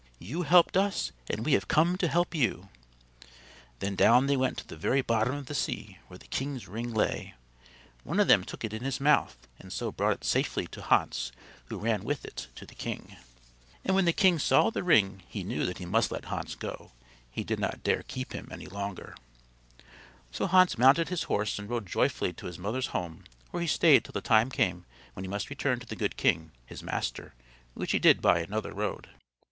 "You helped us, and we have come to help you." Then down they went to the very bottom of the sea where the king's ring lay. One of them took it in his mouth and so brought it safely to Hans who ran with it to the king. [Illustration: ONE OF THEM TOOK IT IN HIS MOUTH, AND SO BROUGHT IT SAFELY TO HANS.] And when the king saw the ring he knew that he must let Hans go; he did not dare to keep him any longer. So Hans mounted his horse and rode joyfully to his mother's home where he stayed till the time came when he must return to the good king, his master, which he did by another road.